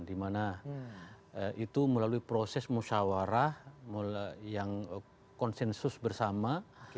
dimana itu melalui proses musyawarah yang konsensus bersama